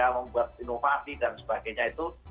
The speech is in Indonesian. membuat inovasi dan sebagainya itu